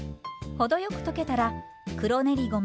程よく溶けたら黒練りごま